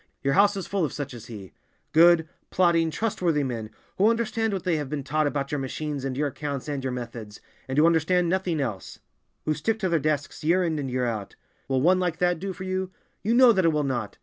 Your house is full of such as he—good, plodding, trustworthy men, who understand what they have been taught about your machines and your accounts and your methods, and who understand nothing else; who stick to their desks year in and year out. Will one like that do for you? You know that it will not!